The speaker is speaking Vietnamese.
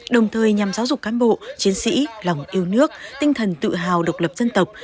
đồng thời nhằm giáo dục cán bộ chiến sĩ lòng yêu nước tinh thần tự hào độc lập dân tộc